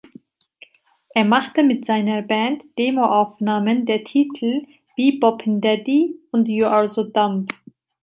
Er machte mit seiner Band Demo-Aufnahmen der Titel "Be-Boppin' Daddy" und "You’re So Dumb".